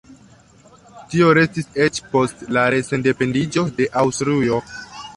Tio restis eĉ post la re-sendependiĝo de Aŭstrujo.